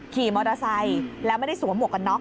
ขี่มอเตอร์ไซค์แล้วไม่ได้สวมหวกกันน็อก